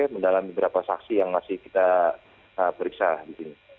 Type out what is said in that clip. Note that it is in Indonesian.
bahwa saksi yang masih kita periksa di sini